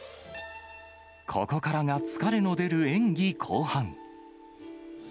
ここからが疲れの出る演技後半。